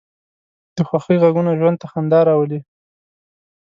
د خوښۍ غږونه ژوند ته خندا راولي